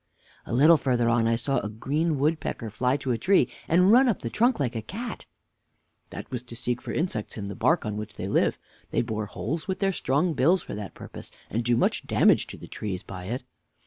W. A little farther on I saw a green woodpecker fly to a tree, and run up the trunk like a cat. Mr. A. That was to seek for insects in the bark, on which they live. They bore holes with their strong bills for that purpose, and do much damage to the trees by it.